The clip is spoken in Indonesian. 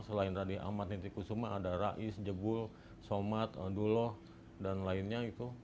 selain radin ahmad niti kusuma ada rais jebul somat duloh dan lainnya itu